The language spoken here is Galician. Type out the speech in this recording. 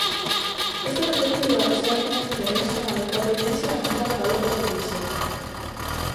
Esta perspectiva está intimamente relacionada coa tendencia a negar o valor da predición.